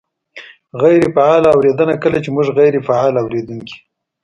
-غیرې فعاله اورېدنه : کله چې مونږ غیرې فعال اورېدونکي